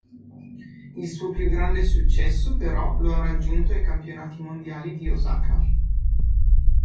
Il suo più grande successo però lo ha raggiunto ai Campionati mondiali di Osaka.